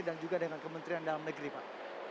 dan juga dengan kementerian dalam negeri pak